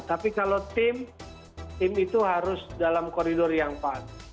tapi kalau tim tim itu harus dalam koridor yang pas